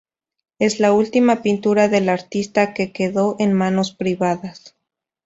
Es la última pintura del artista que quedó en manos privadas.